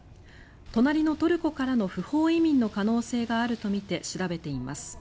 隣のトルコからの不法移民の可能性があるとみて調べています。